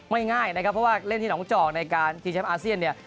ง่ายนะครับเพราะว่าเล่นที่หนองจอกในการชิงแชมป์อาเซียนเนี่ย